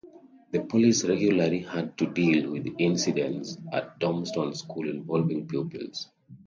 The police regularly had to deal with incidents at Dormston School involving pupils.